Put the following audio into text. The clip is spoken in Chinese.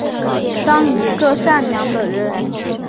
当一个善良的人